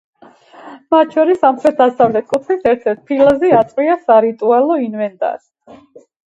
მათ შორის სამხრეთ-დასავლეთ კუთხის ერთ-ერთ ფილაზე აწყვია სარიტუალო ინვენტარი.